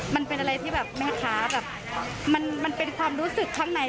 มันเป็นอะไรที่แบบแม่ค้าแบบมันเป็นความรู้สึกข้างใน